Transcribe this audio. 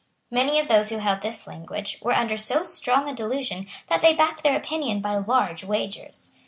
Many of those who held this language were under so strong a delusion that they backed their opinion by large wagers.